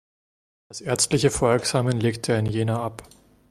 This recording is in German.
Das ärztliche Vorexamen legte er in Jena ab.